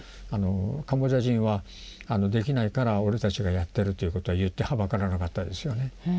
カンボジア人はできないから俺たちがやってるということは言ってはばからなかったですよね。